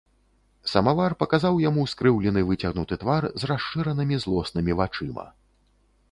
Самавар паказаў яму скрыўлены выцягнуты твар з расшыранымі злоснымі вачыма.